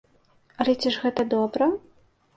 Але ці ж гэта добра?